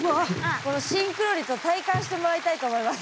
このシンクロ率を体感してもらいたいと思います。